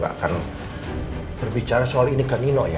akan berbicara soal ini ke nino ya